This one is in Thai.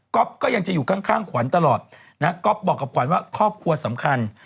ก็ยังจะอยู่ข้างขวัญตลอดนะก๊อฟบอกกับขวัญว่าครอบครัวสำคัญ